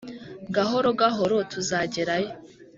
Gahoro gahoro tuzagerayo